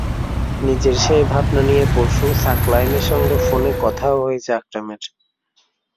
নিজের সেই ভাবনা নিয়ে পরশু সাকলায়েনের সঙ্গে ফোনে কথাও হয়েছে আকরামের।